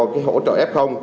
cái hỗ trợ f